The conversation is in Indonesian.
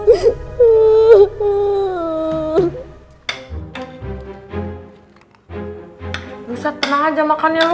buset tenang aja makannya lu